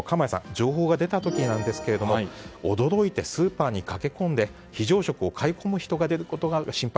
情報が出た時に驚いてスーパーにかけ込んで非常食を買い込む人が出ることが心配。